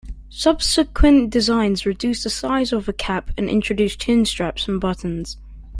Subsequent designs reduced the size of the cap and introduced chinstraps and buttons.